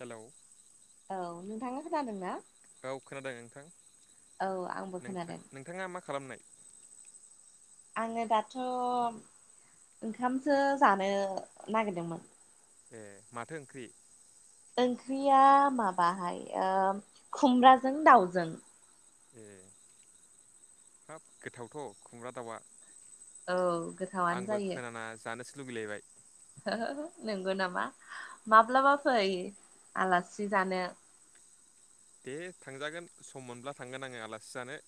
हेल' औ नोंथाङा खोनादों ना गाव खोनादों नोंथां औ आंबो नोंथ खोनादों नोंथाङा मा खालामनाय आङो दाथ' ओंखामसो जानो नागिरदोंमोन ए माथो ओंख्रि ओंख्रिया माबाहाय खुमब्राजों दाउजों ए हाब गोथावथ' खुमब्रा दाउआ औ गोथावानो आंबो जायो खोनाना जानोसो लगैलायबाय नंगौ नामा माब्लाबा फै आलासि जानो दे थांजागोन सम मोनब्ला थांगोन आङो आलासि जानो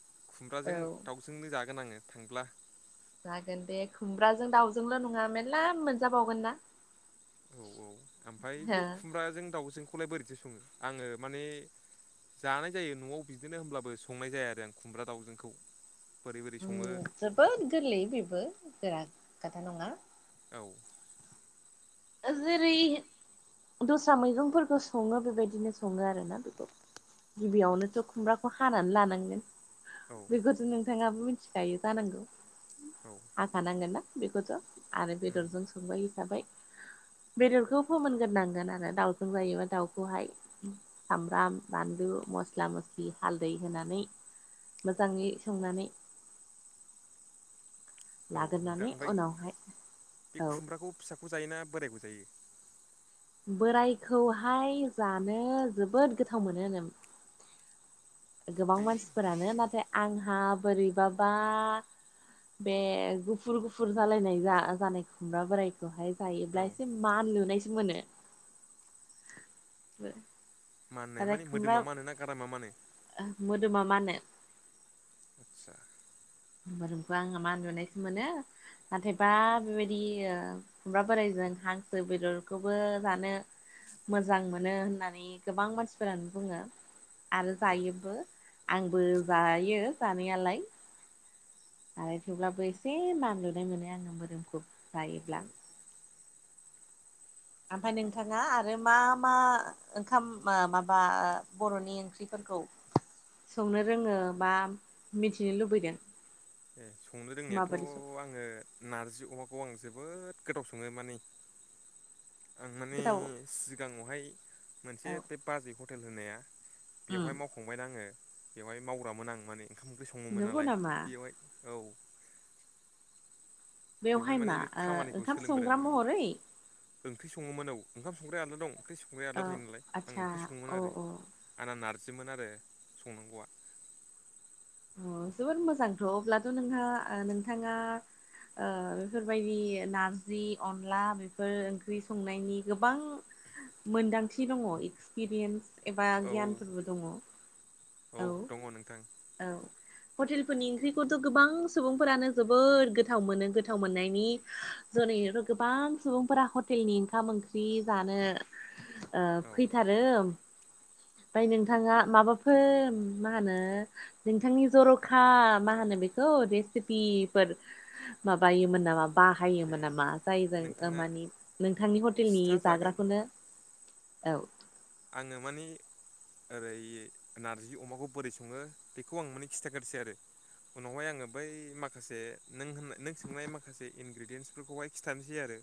औ खुमब्राजों दाव जोंनो जागोन आङो थांब्ला जागोन दे खुमब्राजों दाउजोंल' नङा मेर्ला मोनजाबावगोन ना औ औ ओमफ्राय हो बे खुमब्राजों दाउजोंखौलाय बोरैदि सङो आङो माने जानाय जायो न'आव बिदिनो होनोमब्लाबो संनाय जाया आरो आं खुमब्रा दाावजोंखौ जोबोद गोरलै बेबो गोरा खोथा नङा औ जेरै- दस्रा मैगंफोरखौ सङो बेबायदिनो सङो आरोना बेखौ गिबियावनोथ' खुमब्राखौ हानानै लानांगोन औ बेफोखौथ' नोंथाङाबो मिथिखायो जानांगौ औ हाफानांगोन ना बेखौथ' आरो उम बेदरजों सोंबाय हिसाबै बेदरखौ फोमोनग्रोनांगोन आरो दाउजों जायोबा दाउखौहाय सामब्राम बानलु मस्ला मस्लि हालदै होनानै मोजाङै संनानै औ नोंथां लाग्रोनानै ओमफ्राय उनावहाय बे औ खुमब्राखौ फिसाखौ जायोना बोरायखौ जायो बोरायखौहाय जानो जोबोद गोथाव मोनो गोबां बै मानसिफोरानो नाथाय आंहा बोरैबाबा बे गुफुर गुफुर जालायनाय जा जानाय खुमब्रा बोराय खौहाय जायोब्ला औ एसे मान लुनायसो मोनो माननाय आरो माने खुमब्रा मोदोमा मानो ना गारामा मानो मोदोमा मानो आचसा मोदोमखौ आङा मा उन्दुनायसो मोनो नाथायबा बेबायदि खुमब्रा बोराइजों हांसो बेदरखौबो जानो- मोजां मोनो होननानै गोबां मानसिफोरानो बुङो। आरो औ जायोबो आंबो जायो जानायालाय आरो थेवब्लाबो एसे मानलुनाय मोनो आङो मोदोमखौ औ जायोब्ला। आमफ्राय नोंथाङा आरो मा मा ओंखाम ओ माबा बर'नि ओंख्रिफोरखौ संनो रोङो बा मिथिनो लुबैदों ए संनो रोंनायाथ' माबादि सं आङो नारजि अमाखौ आं जोबोद गोदाव सङो माने आं माने गोथाव सिगाङावहाय औ मोनसे बे बाजै हटेल होनाया उम बेवहाय मावखांबायना आङो बेवहाय मावग्रामोन आं माने ओंखाम ओंख्रि सङोमोन नंगौ नालाय नामा बेवहाय औ बेवहाय माने मा बे ओ खामानिखौ ओंखाम संग्रा सोलोंबोदोंमोन ओं महरै ओंख्रि सङोमोन औ ओंखाम संग्राया आलदा दं ओंख्रि संग्राया आलदा औ थायो नालाय आं आदसा ओंख्रि सङोमोन औ आरो औ आंना नारजिमोन आरो संनांगौआ अ जोबोर मोजांथ' अब्लाथ' नोंहा नोंथाङा ओ बेफोरबायदि नारजि अनला बेफोर ओंख्रि संनायनि गोबां मोन्दांथि दङ एक्सपिरियेन्स एबा औ गियानफोरबो दङ। औ दङ नोंथां। औ हटेलफोरनि ओंख्रिखौथ' गोबां सुबुंफोरानो जोबोद गोथाव मोनो गोथाव मोननायनि जुनैनोथ' गोबां सुबुंफोरा हटेलनि ओंखाम ओंख्रि जानो ओ औ फैथारो ओमफ्राय नोंथाङा माबा फोर मा होनो नोंथांनि जर'खा मा होनो बेखौ रेसिपिफोर माबायोमोन नामा ए बाहायोमोन नामा जायजों ओ नोंथाङा माने नोंथांनि हटेलनि खिथाजागोन जाग्राखौनो [unintelligible] औ आङो माने ओरै नारजि अमाखौ बोरै सङो बेखौ आं माने खिथाग्रोसै आरो उनावहाय आङो बै माखासे नों होननाय नों सोंनाय माखासे इनग्रेडियेन्सफोरखौहाय खिथानोसै आरो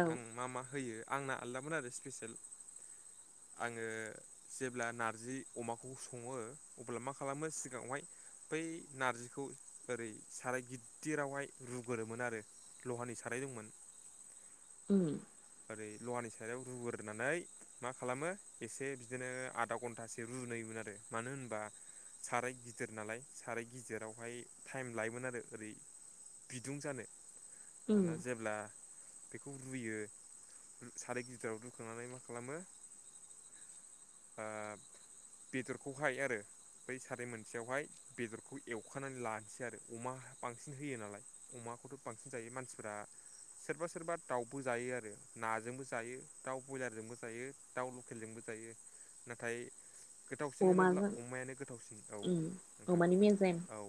औ आं मा मा होयो आंना आलदामोन आरो स्पेसियेल आङो जेब्ला नारजि अमाखौ सङो अब्ला मा खालामो सिगाङावहाय बै नारजिखौ ओरै साराय गिददिरावहाय रुगोरोमोन आरो लहानि साराय दंमोन। ओम ओरै लहानि साराइयाव रुग्रोनानै मा खालामो एसे बिदिनो आधा घन्टासो रुयोमोन आरो मानो होनबा साराय गिदिर नालाय साराय गिदिरावहाय टाइम लायोमोन आरो ओरै बिदुं जानो उम दाना जेब्ला बेखौ रुयो साराय गिदिराव रुखांनानै मा खालामो ओ बेदरखौहाय आरो बै साराय मोनसेयावहाय बेदरखौ एवखानानै लानोसै आरो अमा बांसिन होयो नालाय। अमाखौथ' बांसिन जायो मानसिफोरा सोरबा सोरबा दाउबो जायो आरो नाजोंबो जायो दाउ ब्रयलारजोंबो जायो। दाउ लकेलजोंबो जायो नाथाय गोथावसिन होनोब्ला अमाजों अमायानो गोथावसिन औ उम नोंथां अमानि मेजेम औ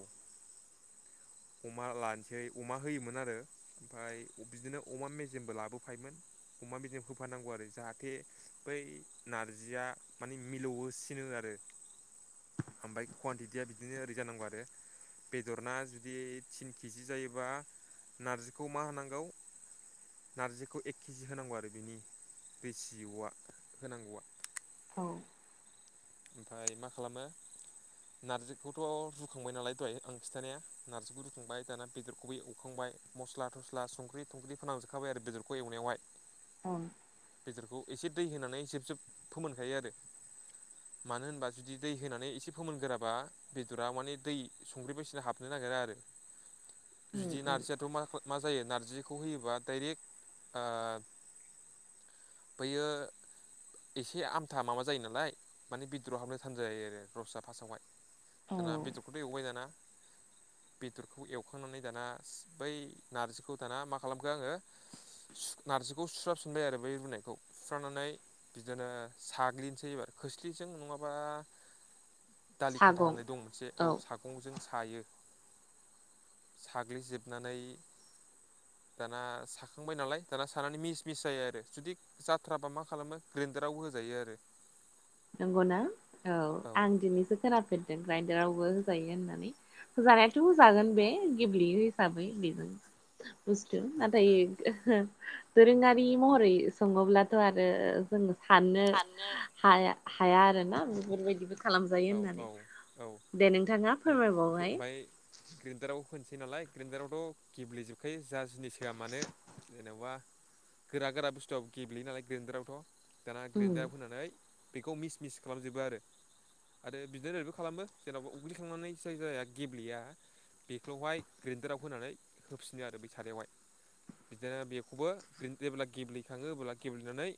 अमा लानोसै अमा होयोमोन आरो ओमफ्राय बिदिनो अमा मेजेमबो लाबोफायमोन अमा मेजेम होफानांगौ आरो जाहाथे बै नारजिया माने मिलौसिनो आरो ओमफ्राय कुवानटिटिया बिदिनो ओरै जानांगौ आरो बेदर ना जुदि थिन केजि जायोबा नारजिखौ मा होनांगौ नारजिखौ एक केजि होनांगौ आरो बेनि रेसिआ होनांगौआ औ ओमफाय मा खालामो नारजिखौथ' रुखांबाय नालाय दहाय आं खिथानाया नारजिखौबो रुखांबाय दाना बेदरखौबो एवखांबाय मस्ला थस्ला संख्रि थंख्रि फोनांजोबखाबाय आरो बेदरखौ एवनायावहाय। औ बेदरखौ एसे दै होनानै जेब जेब फोमोनखायो आरो मानो होनबा जुदि दै होनानै एसे फोमोनगोराबा बेदरा माने दै संख्रि बायसिना हाबनो नागिरा आरो उम जुदि उम नारजियाथ' मा मा जायो नारजिखौ होयोबा डाइरेक्ट आ बैयो एसे आमथा माबा जायो नालाय माने बिदरआव हाबनो थान जायो आरो रसाआ फारस्टआवहाय औ दाना बेदरखौथ' एवबाय दाना बेदरखौ एवखांनानै दाना बै नारजिखौ दाना मा खालामखो आङो सु नारजिखौ सुस्राफिनबाय आरो बै रुनायखौ सुस्रानानै बिदिनो साग्लिनोसै एबार खो खोसलिजों नङाबा दालि खाथा सागं होननाय दं मोनसे औ साग गंजों सायो साग्लिजोबनानै दाना साखांबाय नालाय दाना सानानै मिस मिस जायो आरो जुदि जाथ्राबा मा खालामो ग्रेडारावबो होजायो आरो। नंगौना औ आं दिनैसो खोनाफेरदों ग्राइडारावबो होजायो होननानै जानायाथ' जागोन बे गेब्लेयो हिसाबै बेबो बुस्थु उम नाथाय उम दोरोङारि महरै सङोब्लाथ' आरो जों साननो हाया हाया आरोना बेफोरबायदिखो खालामजायो औ होननानै औ औ दे नोंथाङा फोरमायबावहाय ग्रेडाराव होनसै नालाय ग्रेन्डारावथ' गेब्लेेजोबखायो जा जिनिस होआ मानो जेनेबा गोरा गोरा बुस्थुआबो गेब्लेयो नालाय ग्रोनन्दारावथ' दखना उम ग्रेन्दायाव होनानै बेखौ मिस मिस खालामजोबो आरो आरो बिदिनो ओरैबो खालामो जेनेबा उग्लिखांनानै जाय जाया गेब्लेया बेखौहाय ग्रेन्दाराव होनानै होफिनो आरो बै सारयावहाय बिदिनो बेखौबो जेब्ला गेब्लेखाङो अब्ला गेब्लेनानै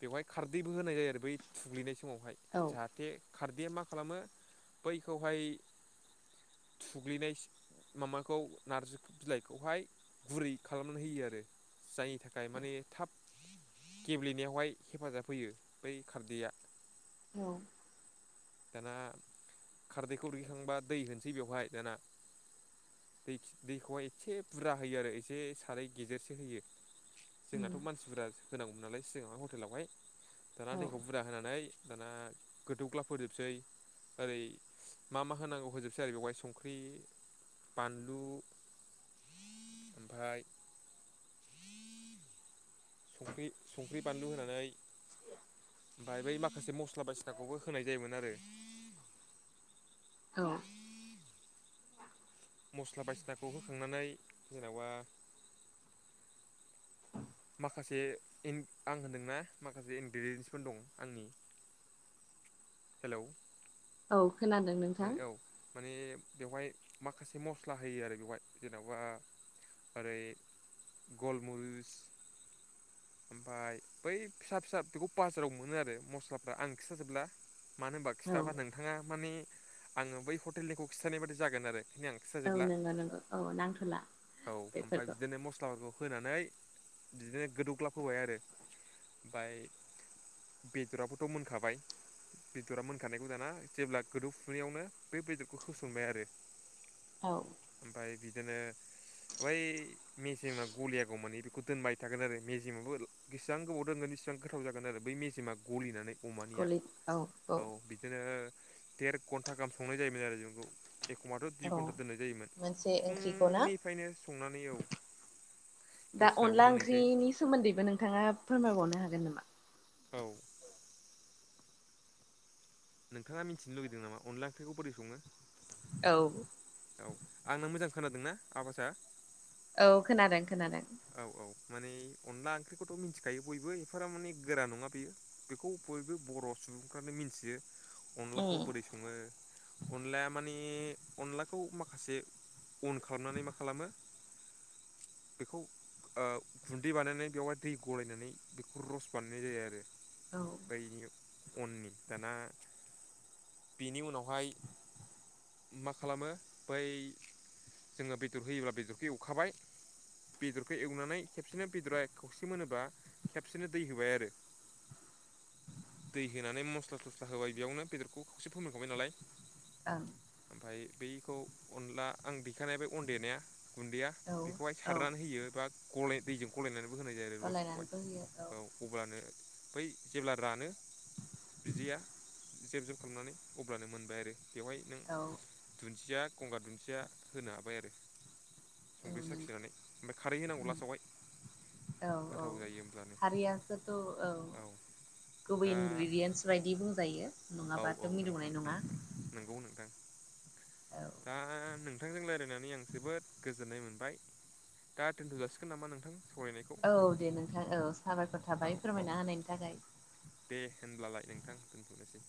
बेवहाय खारदैबो होनाय जायो आरो बै थुग्लिनाय समावहाय औ जाहाथे खारदैया मा खालामो बैखौहाय थुग्लिनाय माबाखौ नारजि बिलाइखौहाय गुरै खालामनानै होयो आरो जायनि थाखाय माने थाब गेब्लेनायावहाय हेफाजाब होयो बै खारदैया औ दाना खारदैखौ रुयहोखांबा दै होनोसै बेवहाय दाना दै-दैखौहाय एसे बुरजा होयो आरो एसे साराय गेजेरसो होयो उम जोंनाथ' मानसि बुरजा होनांगौमोन नालाय सिगांहाय हटेलावहाय दाना औ दैखौ बुरजा होनानै दाना गोदौग्लाब होजोबसै ओरै मा मा होनांगौ होजोबसै आरो बेवहाय संख्रि बानलु ओमफाय संख्रि संख्रि बानलु होनानै ओमफाय बै माखासे मस्ला बायदिसिनाखौबो होनाय जायोमोन आरो औ मस्ला बायसिनाखौ होखांनानै जेनेबा माखासेन आं होनदोंना माखासे इनग्रेडियेन्सफोर दं आंनि हेलौ औ खोनादों माने नोंथां। औ माने बेवहाय माखासे मस्ला होयो आरो बेवहाय जेन'बा ओरै गलमुरिस ओमफ्राय बै फिसा फिसा बेखौ बाजाराव मोनो आरो मस्लाफ्रा आं खिथाजोबला मानो होनबा औ खिथाबा नोंथाङा माने आङो बै हटेलनिखौ खिन्थानाय बाददि जागोन आरो। बेखिनि आं औ खिथाजोबला नंगौ नंगौ औ नांथ'ला औ ओमफ्राय बेफोरखौ बिदिनो मस्लाफोरखौ होनानै बिदिनो गोदौग्लाब होबाय आरो ओमफाय बेदराबोथ' मोनखाबाय बेदरा मोनखानायखौ दाना जेब्ला गोदौफुनायावनो बे बेदरखौ होसनबाय आरो। औ। ओमफफ्राय बिदिनो ओाय मेसें गलियाागौमानिे बेखौ दोनबाय थागोन आरो मेजेमाबो बेसेबां गोबाव दोनगोन बेसिबां गोथाव जागोन आरो बै मेजेमा गलिनानै अमानिया औ बिदिनो देर घन्टा गाहाम संनाय जायोमोन आरो जोंखौ एखमबाथ' दुइ औ घन्टा दोननाय जायोमोन मोनसे ओंख्रिखौ ना फुंनिफ्रायनो संनानै औ दा दसथायाव अनला मोनहैसै ओंख्रिनि सोमोन्दैबो नोंथाङा फोरमायबावनो हागोन नामा औ। नोंथाङा मिथिनो लगै नाम अनला आनलाखौरै सङो - औ। औ आंना मोजां खोनादोंनाा आबासआ औ खोनादों खोनादों। औ औ माने अनला ओंख्रिखौथ' मिथिखायो बयबो एफाराब माने गोरा नङा बेयो बेखौ बयबो बर' सुबुंफ्रानो मिथियो अनलाखौ उम बोरै स सङो अनलाया माने अनलाखौ माखासे अन खालामनानै मा खालामो बेखौ ओ गुन्दै बानायनानै बेवहाय दै गलायनानै बेखौ रस बानायनाय जायो आरो। औ अननि दाना बेनि उनावहाय मा खालामो बै जोङो बेदर होयोब्ला बेदरखौ एवखाबाय बेदरखौ एवनानै खेबसेनो बेदरा खावसे मोनोबा खेबसेनो दै होबाय आरो दै होनानै मस्ला थस्ला होबाय बेयावनो बेदरखौ खावसे फोरमायखांबाय नालाय ओं ओमफ्राय बैखौ अनला आं दैखानाया बे अन देनाया गुन्दैया औ बेखौहाय औ सार गनानै होयो बा गल दैजों गलायनानैबो होनाय जायो आरो लसखौहाय गलायनानैबो होयो औ अब्लानो बै जेब्ला रानो बिदैया जेब जुब खालामनानै अब्लानो मोनबाय आरो बेवहाय नों औ दुन्दिया गंगार दुन्दिया होनो हाबाय आरो औ संख्रि नंगौ साखिनानै ओमफ्राय खारै होनांगौ ला सावाय औ औ हारियानासोथ' औ गुबै दा इनग्रेडियेन्स बायदि बुंजायो औ औ नङाबाथ' नोंथां मिलौनाय नङा। नोंथां नंगौ नोंथां औ दा नों नोंथांजों रायल्लायनानै आं जोबोद गोजोननाय मोनबाय दा दोन्थ' जासिगोन नामा नोंथां। सावरायनायखौ औ दे नोंथां औ साबायखर औ थाबाय औ फोरमायना होनायनि थाखाय दे होनब्लालाय नोंथां दोनथ'नोसै।